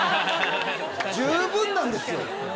十分なんですよ。